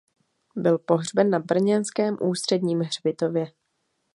Byl pohřben na brněnském ústředním hřbitově.